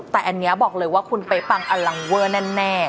แต่อันนี้บอกเลยว่าคุณเป๊ะปังอลังเวอร์แน่